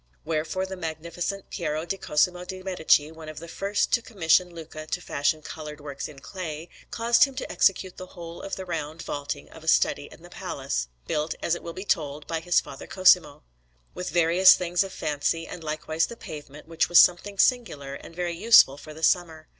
Wherefore the Magnificent Piero di Cosimo de' Medici, one of the first to commission Luca to fashion coloured works in clay, caused him to execute the whole of the round vaulting of a study in the Palace built, as it will be told, by his father Cosimo with various things of fancy, and likewise the pavement, which was something singular and very useful for the summer.